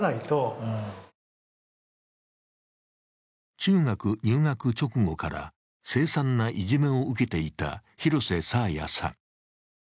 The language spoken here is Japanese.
中学入学直後から凄惨ないじめを受けていた廣瀬爽彩さん。